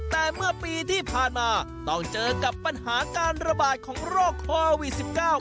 แต่เมื่อปีที่ผ่านมาต้องเจอกับปัญหาการระบาดของโรคโควิดสิบเก้า